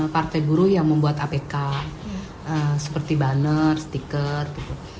partai buruh yang membuat apk seperti banner stiker gitu